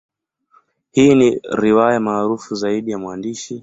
Hii ni riwaya maarufu zaidi ya mwandishi.